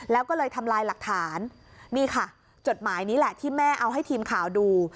แล้วก็เลยทำลายหลักฐานนี่ค่ะจดหมายนี้แหละที่แม่เอาให้ทีมข่าวดู